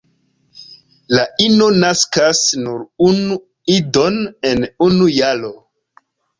La ino naskas nur unu idon en unu jaro.